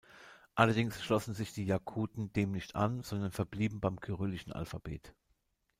Allerdings schlossen sich die Jakuten dem nicht an, sondern verblieben beim kyrillischen Alphabet.